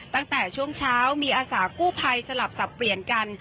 ตั้งแต่ช่วงเช้ามีอาสากู้ภัยสลับสับเปลี่ยนกัน